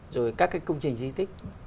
rồi các cái công trình di tích